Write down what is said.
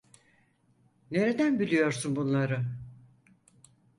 Nereden biliyorsun bunları?